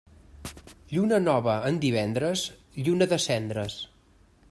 Lluna nova en divendres, lluna de cendres.